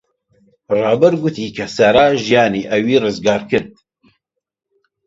ڕابەر گوتی کە سارا ژیانی ئەوی ڕزگار کرد.